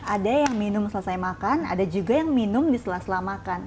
ada yang minum selesai makan ada juga yang minum di setelah selamakan